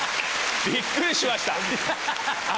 びっくりしました。